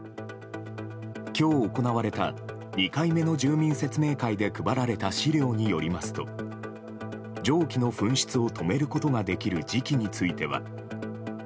今日、行われた２回目の住民説明会で配られた資料によりますと蒸気の噴出を止めることができる時期については。